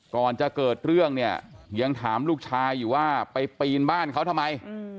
ก่อนจะเกิดเรื่องเนี่ยยังถามลูกชายอยู่ว่าไปปีนบ้านเขาทำไม